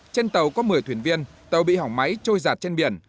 trên tàu có một mươi thuyền viên tàu bị hỏng máy trôi giặt trên biển